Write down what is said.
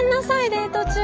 デート中に。